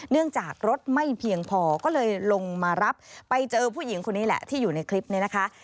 จากรถไม่เพียงพอก็เลยลงมารับไปเจอผู้หญิงคนนี้แหละที่อยู่ในคลิปนี้นะคะ